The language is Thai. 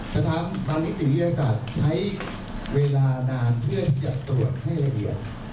สถาบันนิติวิทยาศาสตร์ใช้เวลานานเพื่อจะตรวจให้ละเอียด